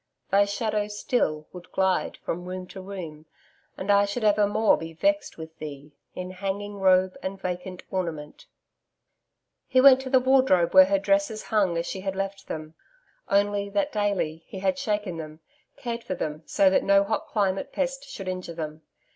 'THY SHADOW STILL WOULD GLIDE FROM ROOM TO ROOM AND I SHOULD EVERMORE BE VEXT WITH THEE IN HANGING ROBE AND VACANT ORNAMENT.' He went to the wardrobe where her dresses hung as she had left them, only that daily, he had shaken them, cared for them so that no hot climate pest should injure them.